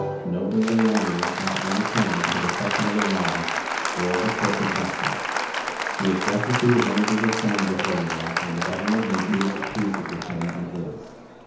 No alien enemy has any claim to the protection of the laws or of the courts of justice. He is destitute of any legal standing before the law, and the government may do as it pleases with him and his.